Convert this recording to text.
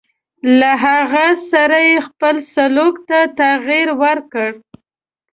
له هغه سره یې خپل سلوک ته تغیر ورکړ.